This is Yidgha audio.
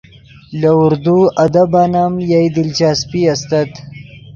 لے اردو ادبن ام یئے دلچسپی استت